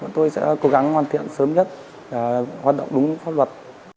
tôi sẽ cố gắng hoàn thiện sớm nhất hoạt động đúng pháp luật